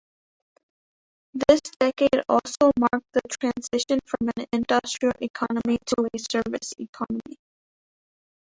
This decade also marked the transition from an industrial economy to a service economy.